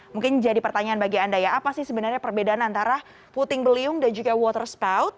mungkin jadi pertanyaan bagi anda ya apa sih sebenarnya perbedaan antara puting beliung dan juga water spout